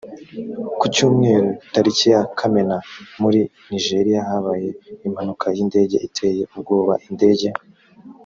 ku cyumweru tariki ya kamena muri nijeriya habaye impanuka y indege iteye ubwoba indege